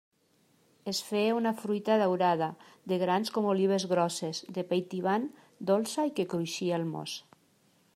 Es feia una fruita daurada, de grans com olives grosses, de pell tibant, dolça i que cruixia al mos.